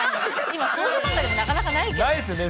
今少女漫画でもなかなかないないですよね。